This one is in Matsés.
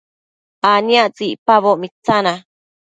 aniactsëqui icpaboc mitsana